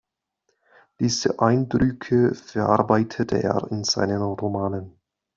Diese Eindrücke verarbeitete er in seinen Romanen.